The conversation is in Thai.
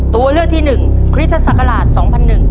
ตัวเลือกที่๑คริสต์ศักราช๒๐๐๑